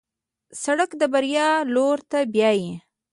سړک د بریا لور ته بیایي.